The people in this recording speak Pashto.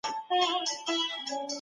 يو ليکوال د ټولني لپاره ليکل کوي.